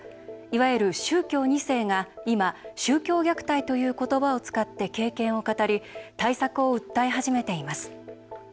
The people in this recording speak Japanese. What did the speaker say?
いわゆる宗教２世が今、宗教虐待という言葉を使って経験を語り対策を訴え始めています。